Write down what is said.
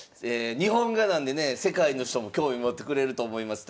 日本画なんでね世界の人も興味持ってくれると思います。